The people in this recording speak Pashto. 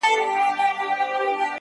• وروستی دیدن دی بیا به نه وي دیدنونه,